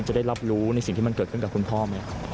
จะได้รับรู้ในสิ่งที่มันเกิดขึ้นกับคุณพ่อไหมครับ